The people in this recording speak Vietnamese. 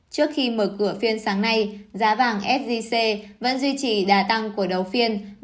trước khi mở cửa phiên sáng nay giá vàng fgc vẫn duy trì đà tăng của đầu phiên